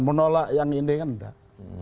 menolak yang ini kan enggak